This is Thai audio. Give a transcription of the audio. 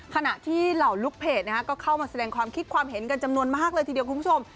ขณะที่เหล่าลูกเพจก็เข้ามาแสดงความคิดความเห็นกันจำนวนมากเลยทีเดียวคุณผู้ชม